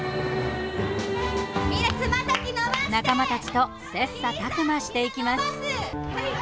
仲間たちと切さたく磨していきます。